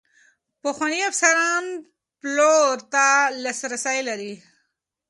پخواني افسران پلور ته لاسرسی لري.